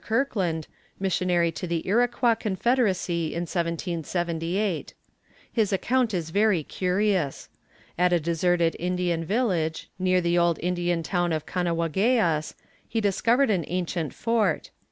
Kirkland, missionary to the Iroquois confederacy, in 1778. His account is very curious. At a deserted Indian village, near the old Indian town of Kanawageas, he discovered an ancient fort.